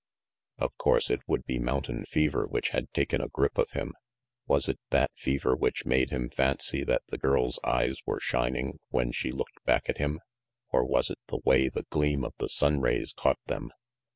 Of course it would be mountain fever which had taken a grip of him. Was it that fever which made him fancy that the girl's eyes were shining when she looked back at him, or was it the way the gleam of the sun rays caught them?